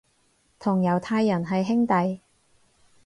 同猶太人係兄弟